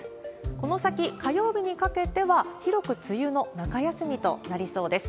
この先、火曜日にかけては広く梅雨の中休みとなりそうです。